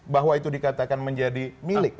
bahwa itu dikatakan menjadi milik